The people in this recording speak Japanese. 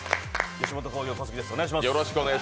吉本興業・小杉です。